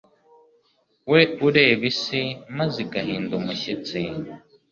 we ureba isi, maze igahinda umushyitsi